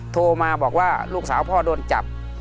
โทรมาบอกว่าลูกสาวพ่อโดนจับ